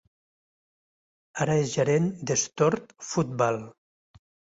Ara és gerent d'Stord Fotball.